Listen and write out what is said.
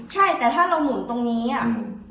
ใช่แต่ถ้าเราหมุนตรงนี้อ่ะ